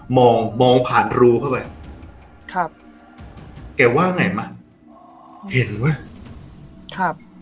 มองมองผ่านรูเข้าไปครับแกว่าไงมั้งเห็นไหมครับ